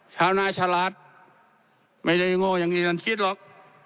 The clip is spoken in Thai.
ชาวนาฉลาดไม่ได้โง่อย่างที่ท่านคิดหรอก